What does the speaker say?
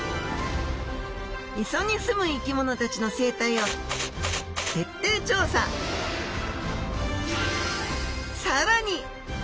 磯に住む生き物たちの生態をさらに！